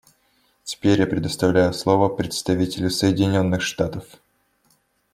Теперь я предоставляю слово представителю Соединенных Штатов.